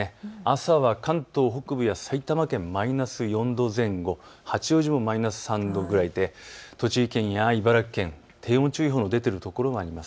朝は関東北部や埼玉県、マイナス４度前後、八王子もマイナス３度ぐらいで栃木県や茨城県、低温注意報が出ているところもあります。